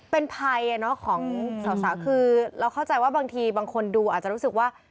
เป็นภัยของสาวคือเราเข้าใจว่าบางทีบางคนดูอาจจะรู้สึกว่า